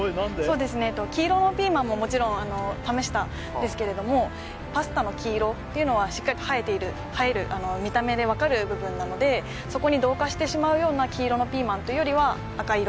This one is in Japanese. そうですねええと黄色のピーマンももちろんあの試したんですけれどもパスタの黄色っていうのはしっかりと映えている映えるあの見た目で分かる部分なのでそこに同化してしまうような黄色のピーマンというよりは赤色